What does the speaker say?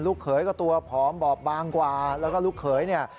เขยก็ตัวผอมบอบบางกว่าแล้วก็ลูกเขยเนี่ย